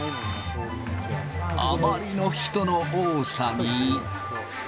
あまりの人の多さに。